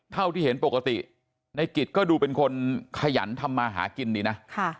เท่าที่เห็นปกติในกิจก็ดูเป็นคนขยันทำมาหากินดีนะ